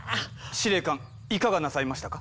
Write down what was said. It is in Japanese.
司令官いかがなさいましたか？